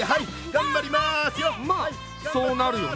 まそうなるよね。